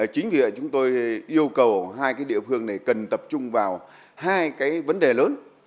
chính vì vậy chúng tôi yêu cầu hai địa phương này cần tập trung vào hai vấn đề lớn